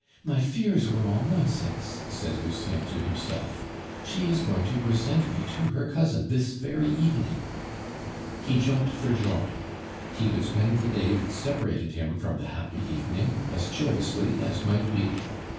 my fears were all nonsense!" said Lucien to himself. "She is going to present me to her cousin this very evening." He jumped for joy. He would spend the day that separated him from the happy evening as joyously as might be.